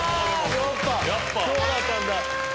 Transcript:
やっぱそうだったんだ。